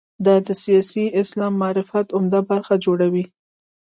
دا د سیاسي اسلام معرفت عمده برخه جوړوي.